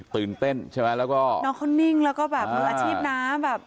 ตื่นเต้นใช่ไหมแล้วก็น้องเขานิ่งแล้วก็แบบมืออาชีพนะแบบ